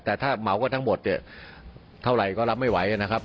แต่ถ้าเหมากันทั้งหมดเนี่ยเท่าไหร่ก็รับไม่ไหวนะครับ